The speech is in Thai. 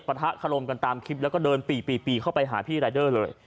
ปะทะขลมกันตามคลิปแล้วก็เดินปีเข้าไปหาพี่รายเดอร์เลย